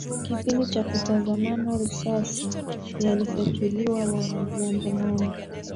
kipindi cha kutazamana risasi yalifyatuliwa wanamgambo nane